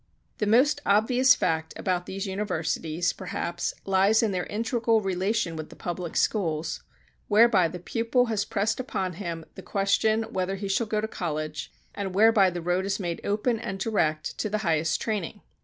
The most obvious fact about these universities, perhaps, lies in their integral relation with the public schools, whereby the pupil has pressed upon him the question whether he shall go to college, and whereby the road is made open and direct to the highest training.